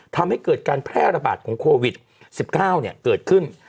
ทำให้เกิดการแพร่ระบาดของโควิด๑๙เกิดขึ้น